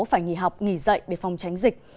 phải nghỉ học nghỉ dạy để phòng tránh dịch